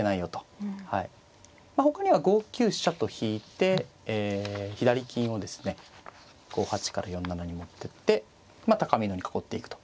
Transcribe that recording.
まあほかには５九飛車と引いて左金をですね５八から４七に持ってってまあ高美濃に囲っていくと。